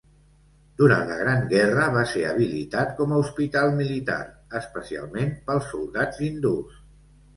Durant la Gran Guerra va ser habilitat com a hospital militar, especialment pels soldats hindús.